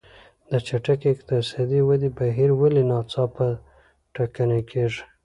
د چټکې اقتصادي ودې بهیر ولې ناڅاپه ټکنی کېږي.